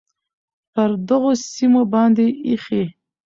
پر دغو سیمو باندې ایښی،